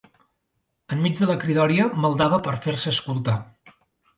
Enmig de la cridòria maldava per fer-se escoltar.